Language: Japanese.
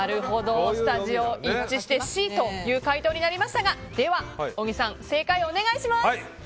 スタジオ、一致してＣという解答になりましたが小木さん、正解をお願いします。